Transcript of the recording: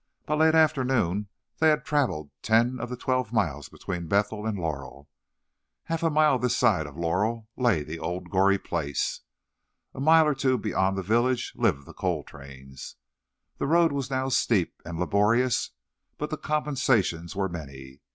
By late Afternoon they had travelled ten of the twelve miles between Bethel and Laurel. Half a mile this side of Laurel lay the old Goree place; a mile or two beyond the village lived the Coltranes. The road was now steep and laborious, but the compensations were many.